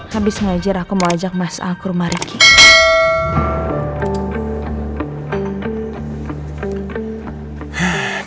habis ngajir aku mau ajak mas al ke rumah ricky